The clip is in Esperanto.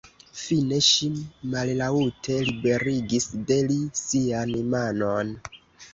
Fine ŝi mallaŭte liberigis de li sian manon.